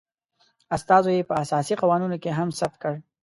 استازو یي په اساسي قوانینو کې هم ثبت کړ